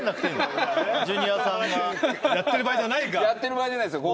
やってる場合じゃないですよ。